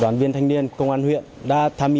đoàn viên thanh niên công an huyện đã tham